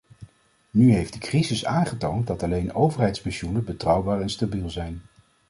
Nu heeft de crisis aangetoond dat alleen overheidspensioenen betrouwbaar en stabiel zijn.